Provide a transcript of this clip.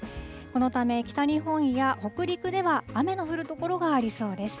このため、北日本や北陸では雨の降る所がありそうです。